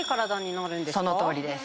そのとおりです。